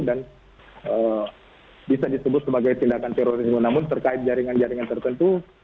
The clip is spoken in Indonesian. dan bisa disebut sebagai tindakan teroris namun terkait jaringan jaringan tertentu